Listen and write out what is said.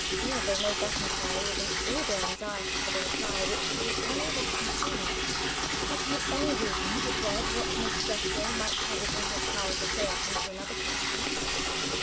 Mirabel made that inquiry with an eager anxiety for the reply which he was quite unable to conceal. Had he any reason to dread what Miss Jethro might have it in her power to say of him to another person?